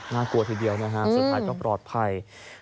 น่ากลัวทีเดียวสุดท้ายก็ปลอดภัย